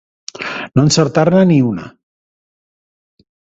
No encertar-ne ni una.